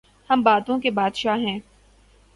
ہم باتوں کے بادشاہ ہیں۔